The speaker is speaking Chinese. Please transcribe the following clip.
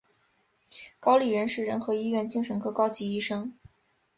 高立仁是仁和医院精神科高级医生。